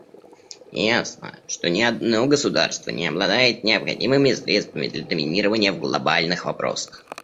Ясно, что ни одно государство не обладает необходимыми средствами для доминирования в глобальных вопросах.